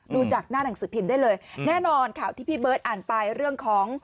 ดูจากหน้าหนังสือพิมพ์ได้เลยแน่นอนข่าวที่พี่เบิร์ตอ่านไปเรื่องของ